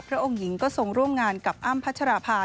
องค์หญิงก็ทรงร่วมงานกับอ้ำพัชราภา